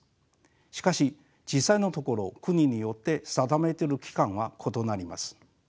しかし実際のところ国によって定めている期間は異なります。